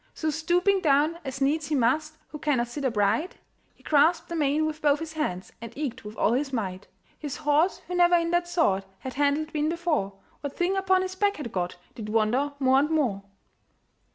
So stooping down, as needs he must Who cannot sit upright, He grasped the mane with both his hands, And eke with all his might. His horse, who never in that sort Had handled been before, What thing upon his back had got, Did wonder more and more.